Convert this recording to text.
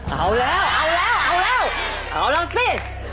เอาแล้วเอาแล้วสิ